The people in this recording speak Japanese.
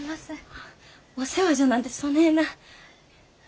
あお世話じゃなんてそねえな。